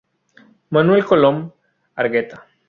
Manuel Colom Argueta.